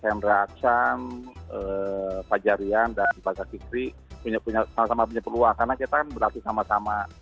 hendra aksan fajarian dan bajak sikri punya punya sama punya peluang karena kita berlatih sama sama